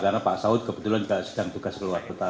karena pak saud kebetulan juga sedang tugas keluar kota